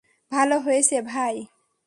ভালো হয়েছে, ভাই।